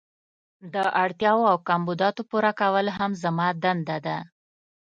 د اړتیاوو او کمبوداتو پوره کول هم زما دنده ده.